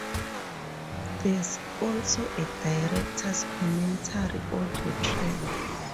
There is also a director's commentary audio track.